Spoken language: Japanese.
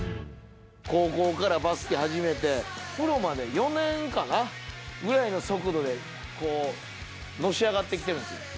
高校からバスケ始めて、プロまで４年かな、ぐらいの速度でこう、のし上がってきてるんですよ。